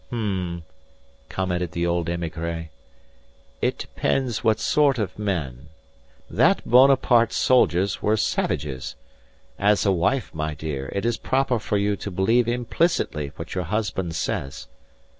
"H'm," commented the old émigré. "It depends what sort of men. That Bonaparte's soldiers were savages. As a wife, my dear, it is proper for you to believe implicitly what your husband says."